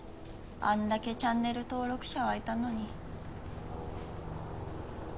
あんだけチャンネル登録者はいたのに。